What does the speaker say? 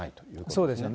そうですよね。